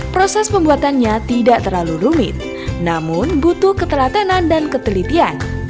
proses pembuatannya tidak terlalu rumit namun butuh ketelatenan dan ketelitian